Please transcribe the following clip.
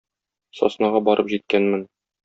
Саснага барып җиткәнмен.